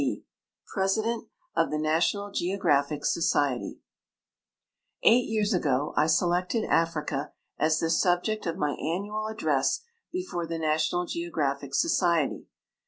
D., 'President of the National Geographic Society Eight years ago I selected Africa as the subject of ni}' annual address before the National Geographic Societ}".